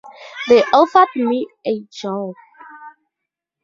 They offered me a job.